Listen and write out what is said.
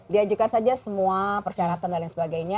diajukan saja semua persyaratan dan lain sebagainya